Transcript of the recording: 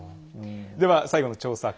では最後の調査項目。